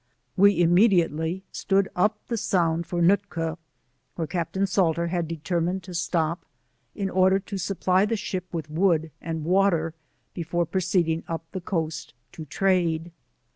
We immediately stood up the Sound for Nootka, where Captain 21 Salter Bad determined to stop in order to supply the ship with wood and water before proceeding up the coast to trade.